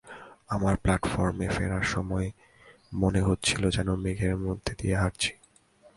আমার প্ল্যাটফর্মে ফেরার সময় মনে হচ্ছিল যেন মেঘের মধ্যে দিয়ে হাঁটছি।